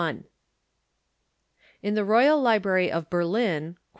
10 68 9 In the Royal Library of Berlin Qt.